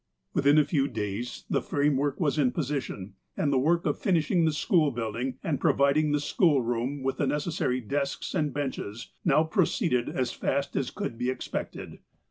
"Within a few days the framework was iu position, and the work of finishing the school building and providing the schoolroom with the necessary desks and benches, now proceeded as fast as could be expected.